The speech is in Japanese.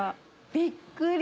びっくり！